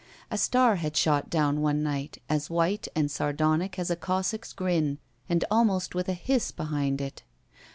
A star had shot down one night, as white and sar donic as a Cossack's grin and almost with a hiss behind it.